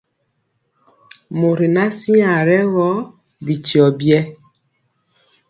Mɔri ŋan siaŋg rɛ gɔ, bityio biɛɛ.